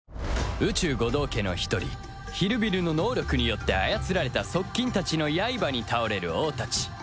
宇蟲五道化の一人ヒルビルの能力によって操られた側近たちの刃に倒れる王たち